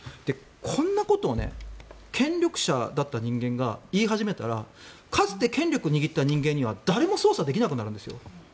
こんなことを権力者だった人間が言い始めたらかつて権力を握った人間には誰も捜査できなくなるんですよ。